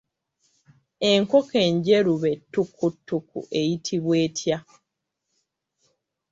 Enkoko enjeru be ttukuttuku eyitibwa etya?